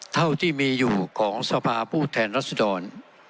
เท่าที่มีอยู่ของสภาผู้แทนรัศดร